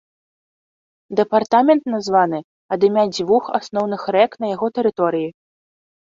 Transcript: Дэпартамент названы ад імя дзвюх асноўных рэк на яго тэрыторыі.